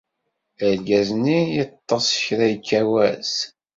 Argaz-nni yeḍḍes kra yekka wass.